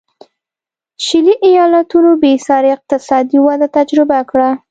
شلي ایالتونو بېسارې اقتصادي وده تجربه کړه.